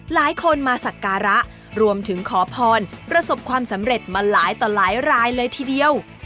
หลายคนมาสักการะรวมถึงขอพรประสบความสำเร็จมาหลายต่อหลายรายเลยทีเดียว